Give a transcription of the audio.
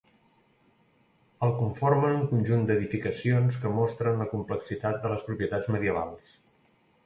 El conformen un conjunt d'edificacions que mostren la complexitat de les propietats medievals.